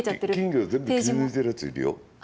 金魚全部、切り抜いてるやついるよ。